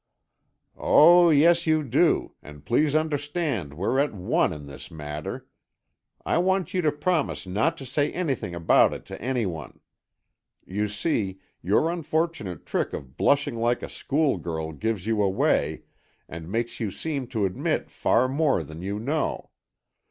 "Oh, yes, you do, and please understand we're at one in this matter. I want you to promise not to say anything about it to any one. You see, your unfortunate trick of blushing like a schoolgirl gives you away, and makes you seem to admit far more than you know.